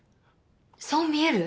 そう見える？